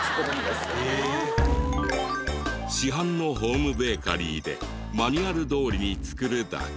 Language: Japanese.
市販のホームベーカリーでマニュアルどおりに作るだけ。